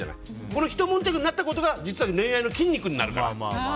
これで、ひと悶着になったことが実は、恋愛の筋肉になるから。